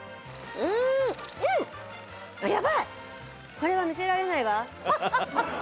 これは見せられないわ。